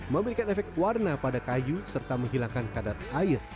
memberikan efek warna pada kayu serta menghilangkan kadar air